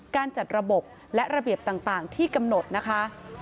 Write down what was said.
การจัดระบบและระเบียบต่างที่กำหนดนะคะ